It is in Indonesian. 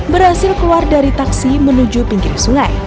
berhasil keluar dari taksi menuju pinggir sungai